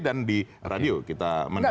dan di radio kita menekan